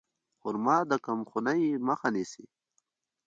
خرما د کمخونۍ مخه نیسي.